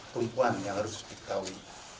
kelipuan yang harus diketahui